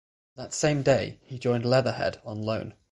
That same day he joined Leatherhead on loan.